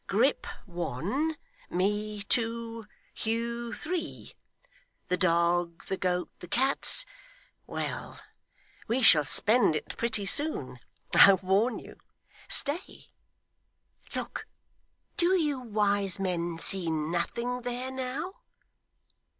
'Grip one, me two, Hugh three; the dog, the goat, the cats well, we shall spend it pretty soon, I warn you. Stay. Look. Do you wise men see nothing there, now?